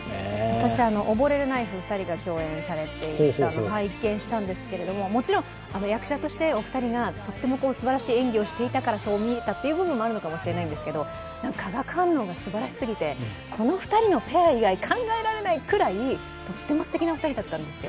私、「溺れるナイフ」、２人が共演されているのを拝見したんですが、もちろん役者として、お二人がすばらしい演技をしていたからそう見えたという部分もあるのかもしれないんですけど化学反応がすばらしすぎて、この２人のペア以外考えられないくらいとってもすてきなお二人だったんですよ。